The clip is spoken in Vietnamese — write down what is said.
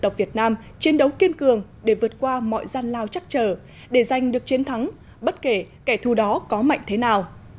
dân tộc việt nam chiến đấu kiên cường để vượt qua mọi gian lao chắc trở để giành được chiến thắng bất kể kẻ thù đó có mạnh thế nào